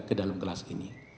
ke dalam gelas ini